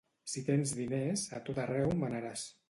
Si tens diners, a tot arreu manaràs.